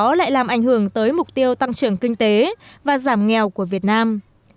đó lại làm ảnh hưởng tới mục tiêu tăng trưởng kinh tế và giảm nghèo của việt nam